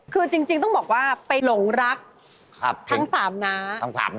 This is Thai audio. คือจริงถ้าบอกว่าไปหลงรักทั้งสามณถามทางสามณ